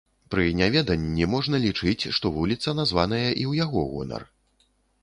Пры няведанні, можна лічыць, што вуліца названая і ў яго гонар.